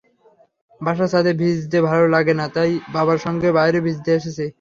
বাসার ছাদে ভিজতে ভালো লাগে না, তাই বাবার সঙ্গে বাইরে ভিজতে এসেছি।